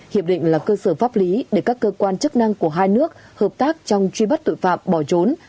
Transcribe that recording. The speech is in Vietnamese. hiệp định là cơ sở pháp lý để các cơ quan chức năng của hai nước hợp tác trong truy bắt tội phạm bỏ trốn